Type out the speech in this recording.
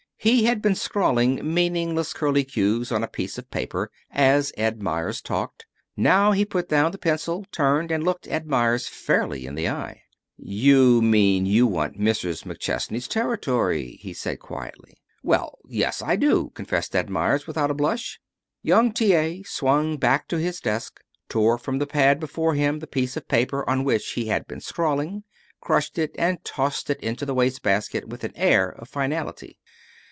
He had been scrawling meaningless curlycues on a piece of paper as Ed Meyers talked. Now he put down the pencil, turned, and looked Ed Meyers fairly in the eye. "You mean you want Mrs. McChesney's territory?" he asked quietly. "Well, yes, I do," confessed Ed Meyers, without a blush. Young T. A. swung back to his desk, tore from the pad before him the piece of paper on which he had been scrawling, crushed it, and tossed it into the wastebasket with an air of finality.